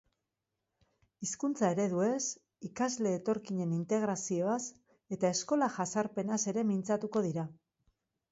Hizkuntza ereduez, ikasle etorkinen integrazioaz eta eskola jazarpenaz ere mintzatuko dira.